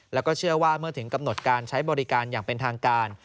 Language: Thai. แล้วก็เชื่อว่าเมื่อถึงกำหนดการใช้บริการอย่างเป็นทางการ